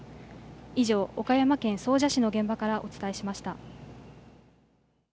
以上、岡山県総社市の現場からお伝えしました。